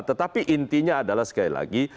tetapi intinya adalah sekali lagi